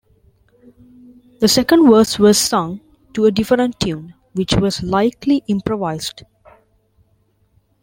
The second verse was sung to a different tune, which was likely improvised.